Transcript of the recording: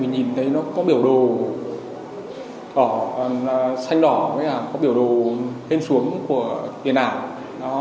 mình nhìn thấy nó có biểu đồ xanh đỏ có biểu đồ hên xuống của điện ảo